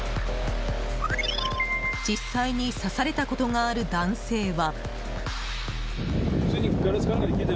実際に刺されたことがある男性は。